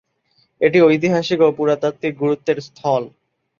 এটি ঐতিহাসিক ও পুরাতাত্ত্বিক গুরুত্বের স্থল।